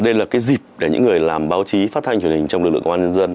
đây là cái dịp để những người làm báo chí phát thanh truyền hình trong lực lượng công an nhân dân